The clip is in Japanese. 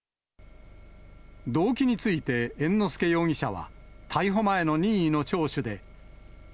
動機について猿之助容疑者は、逮捕前の任意の聴取で。